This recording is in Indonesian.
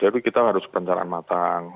jadi kita harus perencanaan matang